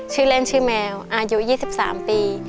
ชื่อเล่นชื่อแมวอายุ๒๓ปี